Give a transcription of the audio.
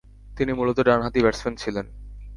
তিনি মূলতঃ ডানহাতি ব্যাটসম্যান ছিলেন।